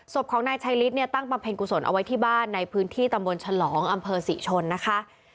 ศพของนายชัยฤทธิเนี่ยตั้งบำเพ็ญกุศลเอาไว้ที่บ้านในพื้นที่ตำบลฉลองอำเภอศรีชนนะคะ